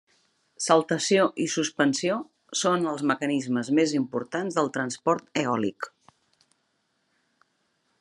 Saltació i suspensió són els mecanismes més importants del transport eòlic.